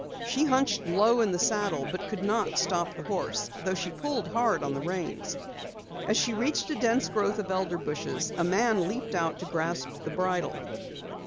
She hunched low in the saddle, but could not stop the horse though she pulled hard on the reins. As she reached a dense growth of elder bushes, a man leaped out to grasp the bridle.